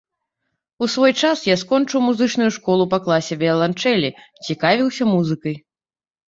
У свой час я скончыў музычную школу па класе віяланчэлі, цікавіўся музыкай.